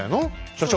所長。